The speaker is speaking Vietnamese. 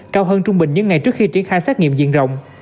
cao hơn trung bình những ngày trước khi triển khai xét nghiệm diện rộng